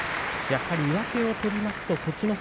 やはり上手を取りますと栃ノ